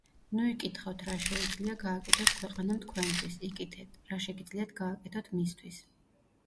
ნუ იკითხავთ რა შეუძლია გააკეთოს ქვეყანამ თქვენთვის, იკითეთ, რა შეგიძლიათ გააკეთოთ მისთვის”,,